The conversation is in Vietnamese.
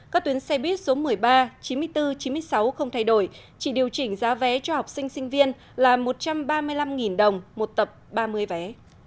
các tuyến xe buýt số một mươi ba chín mươi bốn chín mươi sáu không thay đổi chỉ điều chỉnh giá vé cho học sinh sinh viên là một trăm ba mươi năm đồng một tập ba mươi vé